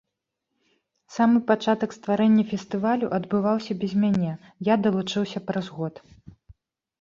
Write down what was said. Самы пачатак стварэння фестывалю адбываўся без мяне, я далучыўся праз год.